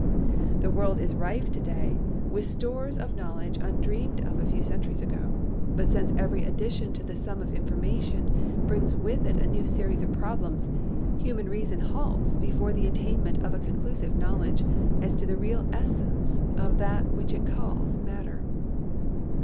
The world is rife to day with stores of knowledge undreamed of a few centuries ago, but since every addition to the sum of information brings with it a new series of problems, human reason halts before the attainment of a conclusive knowledge as to the real es sence of that which it calls Matter.